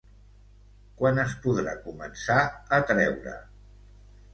Quan es podrà començar a treure.